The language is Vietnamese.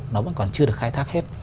nó vẫn còn chưa được khai thác hết